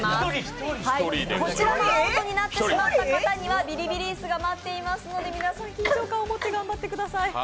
最後に残った方にはビリビリ椅子が待っていますので、皆さん緊張感を持って頑張ってください。